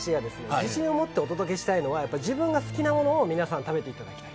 自信を持ってお届けしたいのは自分が好きなものを皆さん食べていただきたい。